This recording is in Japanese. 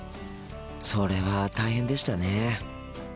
それは大変でしたね。